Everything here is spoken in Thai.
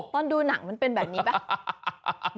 ตอนดูหนังมันเป็นแบบนี้ป่ะ